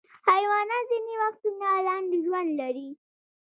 حیوانات ځینې وختونه لنډ ژوند لري.